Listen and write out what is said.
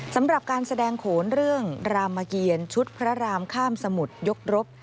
สำหรับการแสดงโขนเรื่องรามเกียรชุดพระรามข้ามสมุทรยกรบ